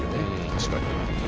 確かに。